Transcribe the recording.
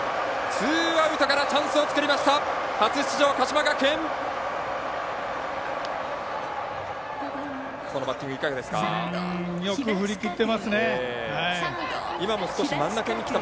ツーアウトからチャンスを作りました。